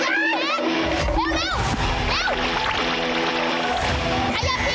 ย้อนมันปลอดภัย